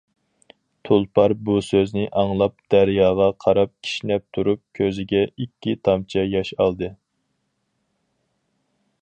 تۇلپار بۇ سۆزنى ئاڭلاپ، دەرياغا قاراپ كىشنەپ تۇرۇپ كۆزىگە ئىككى تامچە ياش ئالدى.